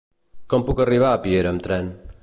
Com puc arribar a Piera amb tren?